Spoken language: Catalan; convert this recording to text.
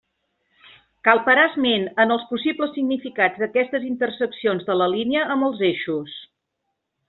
Cal parar esment en els possibles significats d'aquestes interseccions de la línia amb els eixos.